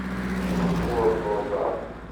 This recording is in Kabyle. Ur lluẓeɣ.